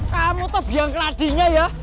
kamu tuh biang ke ladinya ya